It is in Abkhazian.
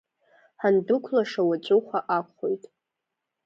Ҳандәықәлаша уаҵәуха акәхоит!